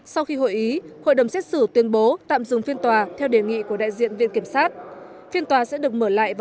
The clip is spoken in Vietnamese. sau khi hội ý hội đồng xét xử tuyên bố tạm dừng phiên tòa theo đề nghị của đại diện viện kiểm sát phiên tòa sẽ được mở lại vào tám giờ sáng mai ngày hai mươi một tháng sáu